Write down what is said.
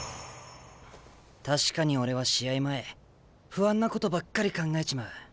確かに俺は試合前不安なことばっかり考えちまう。